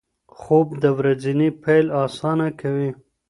خوب د ورځې پیل اسانه کوي.